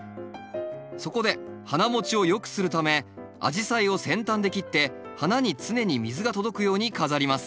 そこで花もちをよくするためアジサイを先端で切って花に常に水が届くように飾ります。